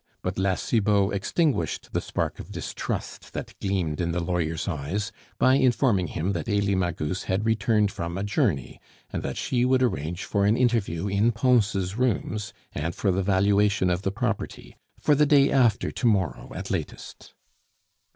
But La Cibot extinguished the spark of distrust that gleamed in the lawyer's eyes by informing him that Elie Magus had returned from a journey, and that she would arrange for an interview in Pons' rooms and for the valuation of the property; for the day after to morrow at latest.